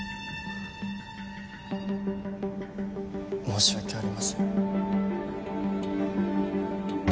申し訳ありません。